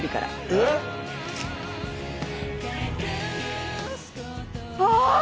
えっ？あっ！